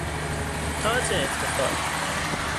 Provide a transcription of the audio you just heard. تاج افتخار